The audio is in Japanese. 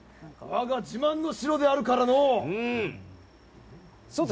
我が自慢の城であるからのう！